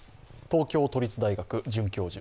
東京都立大学准教授